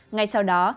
ngay sau đó